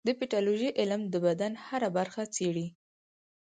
د پیتالوژي علم د بدن هره برخه څېړي.